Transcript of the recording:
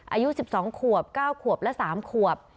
อายุ๑๒ขวบ๙ขวบและ๓ขวบ